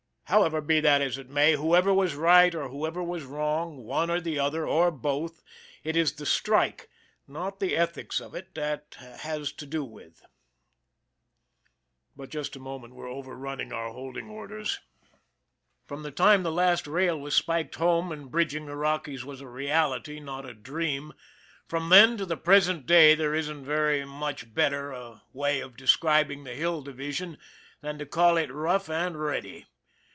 However, be that as it may, whoever was right or whoever was wrong, one or the other, or both, it is the strike, not the ethics of it, that has to do with but just a moment, we* re over running our holding orders. From the time the last rail was spiked home and bridging the Rockies was a reality, not a dream from then to the present day, there isn't any very much better way of describing the Hill Division than to call it rough and ready.